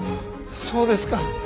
そうですか。